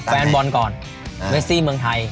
กวอนกว่าก่อนเมซซีเมืองไทย